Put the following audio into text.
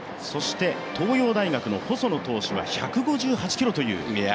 東洋大学の細野投手は１５８キロという。